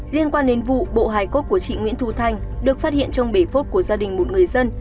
liên quan đến vụ bộ hài cốt của chị nguyễn thu thanh được phát hiện trong bể phốt của gia đình một người dân